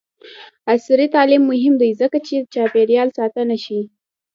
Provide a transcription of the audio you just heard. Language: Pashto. عصري تعلیم مهم دی ځکه چې چاپیریال ساتنه ښيي.